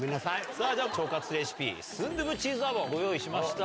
さぁでは腸活レシピスンドゥブチーズアボご用意しました。